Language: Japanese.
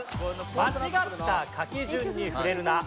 間違った書き順にふれるな！